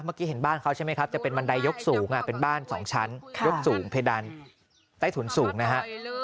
เมื่อกี้เห็นบ้านเขาใช่ไหมครับจะเป็นบ้านสองชั้นยกสูงเพดันใต้ถุนสูงนะฮะ